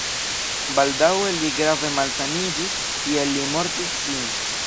Baldaŭe li grave malsaniĝis, tial li mortis sin.